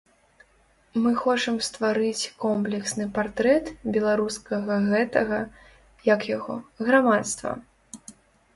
Мы хочам стварыць комплексны партрэт беларускага гэтага, як яго, грамадства.